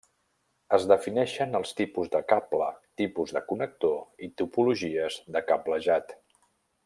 Es defineixen els tipus de cable, tipus de connector i topologies de cablejat.